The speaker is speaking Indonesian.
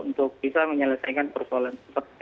untuk bisa menyelesaikan persoalan